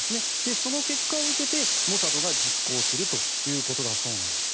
その結果を受けてモサドが実行するということだそうです。